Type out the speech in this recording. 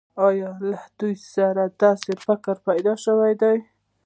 آیا له دوی سره داسې فکر پیدا شوی دی